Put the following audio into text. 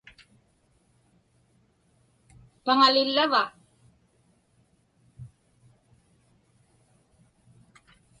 Paŋalillava?